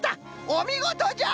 おみごとじゃ！